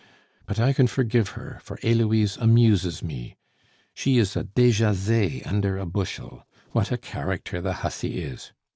But I can forgive her, for Heloise amuses me. She is a Dejazet under a bushel. What a character the hussy is!